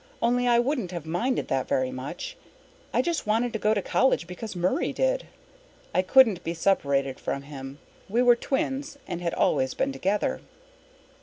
Only I wouldn't have minded that very much. I just wanted to go to college because Murray did. I couldn't be separated from him. We were twins and had always been together.